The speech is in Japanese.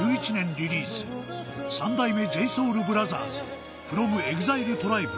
リリース三代目ＪＳＯＵＬＢＲＯＴＨＥＲＳｆｒｏｍＥＸＩＬＥＴＲＩＢＥ